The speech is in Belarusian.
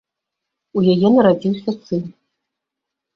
У яе нарадзіўся сын.